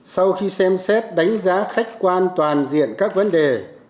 sau khi xem xét đánh giá khách quan toàn diện các vấn đề